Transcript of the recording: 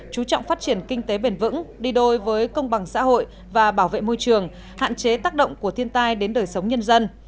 chú trọng phát triển kinh tế bền vững đi đôi với công bằng xã hội và bảo vệ môi trường hạn chế tác động của thiên tai đến đời sống nhân dân